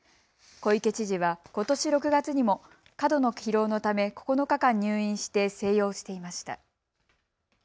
小池知事は、ことし６月にも過度の疲労のため９日間入院して静養していました。